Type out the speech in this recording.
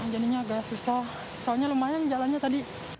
jadinya agak susah soalnya lumayan jalannya tadi